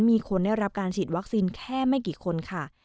มีคนได้รับการฉีดวัคซีนแค่ไม่กี่คนค่ะ